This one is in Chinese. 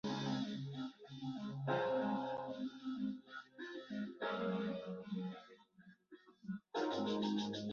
电车线。